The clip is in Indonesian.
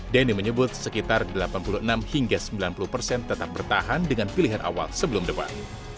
denny menyebut sekitar delapan puluh enam hingga sembilan puluh persen tetap bertahan dengan pilihan awal sebelum debat